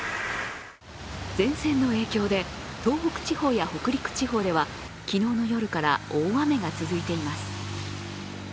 前線の影響で東北地方や北陸地方では昨日の夜から大雨が続いています。